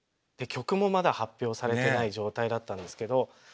で曲もまだ発表されてない状態だったんですけど。